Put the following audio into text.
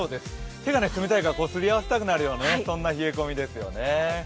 手が冷たいから、すり合わせたくなるような冷え込みですよね。